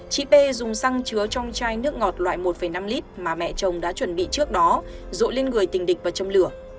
chị p dùng xăng chứa trong chai nước ngọt loại một năm lit mà mẹ chồng đã chuẩn bị trước đó dội lên người tình địch và châm lửa